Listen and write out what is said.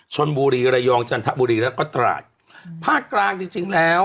ชนบุรีระยองจันทบุรีแล้วก็ตราดภาคกลางจริงจริงแล้ว